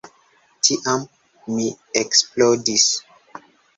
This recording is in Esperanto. Tiam mi eksplodis.